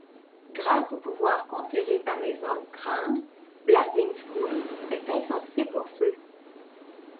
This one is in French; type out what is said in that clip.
Grâce aux pouvoirs conférés par les Hommes-crânes, Blazing Skull est insensible au feu.